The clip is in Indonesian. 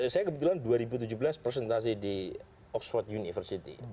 saya kebetulan dua ribu tujuh belas presentasi di oxford university